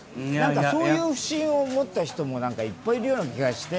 そういう不信を持った人もいっぱいいるような気がして。